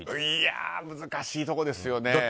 いや、難しいところですよね。